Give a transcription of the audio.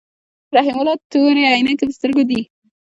رحیم الله تورې عینکی په سترګو دي.